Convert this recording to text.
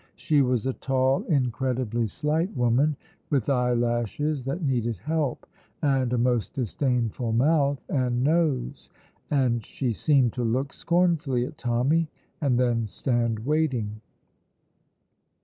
She was a tall, incredibly slight woman, with eyelashes that needed help, and a most disdainful mouth and nose, and she seemed to look scornfully at Tommy and then stand waiting.